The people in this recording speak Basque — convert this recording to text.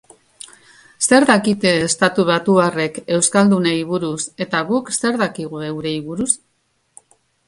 Zer dakite estatubatuarrek euskaldunei buruz eta guk zer dakigu eurei buruz?